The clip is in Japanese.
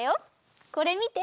これみて！